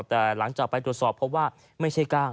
แต่หลังจากไปตรวจสอบเพราะว่าไม่ใช่กล้าง